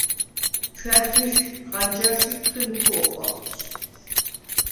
ჩვა̈ძუ̈ჰ ხანჯარშვ ი თხვიმ ქო̄ხვაქვც.